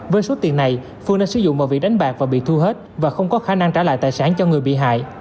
với suốt tiền này phương đã sử dụng một vị đánh bạc và bị thu hết và không có khả năng trả lại tài sản cho người bị hại